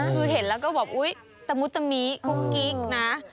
คือเห็นแล้วก็บอกตะมุดตะหมีกุ้งกี้กนะ